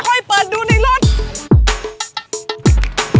พ่อยเปิดดูในรถ